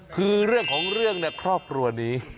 คือเรื่องของเรื่องเนี่ยครอบครัวนี้